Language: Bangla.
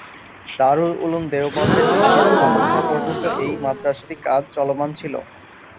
দারুল উলুম দেওবন্দের ভিত্তি স্থাপন হওয়া পর্যন্ত এই মাদ্রাসাটি কাজ চলমান ছিল।